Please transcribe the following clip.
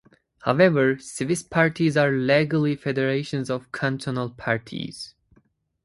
However, Swiss parties are legally federations of cantonal parties.